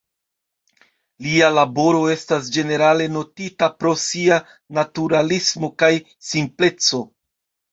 Lia laboro estas ĝenerale notita pro sia naturalismo kaj simpleco.